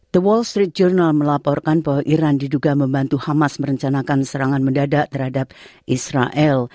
the wall street journal melaporkan bahwa iran diduga membantu hamas merencanakan serangan mendadak terhadap israel